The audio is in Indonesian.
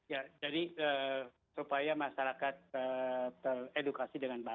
ya jadi supaya masyarakat teredukasi dengan baik